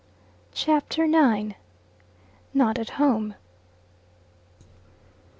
CHAPTER IX. NOT AT HOME.